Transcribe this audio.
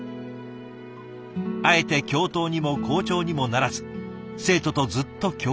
あえて教頭にも校長にもならず生徒とずっと教室で。